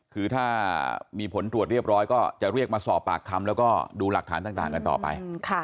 คือถ้ามีผลตรวจเรียบร้อยก็จะเรียกมาสอบปากคำแล้วก็ดูหลักฐานต่างกันต่อไป